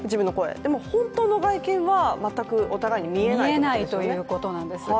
でも本当の外見は全くお互いに見えないということですよね。